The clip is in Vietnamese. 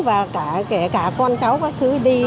và cả con cháu các thứ đi